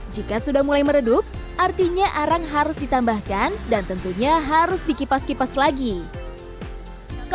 jika sudah mulai meredup artinya arang harus ditambahkan dan tentunya harus dikipas kipas lagi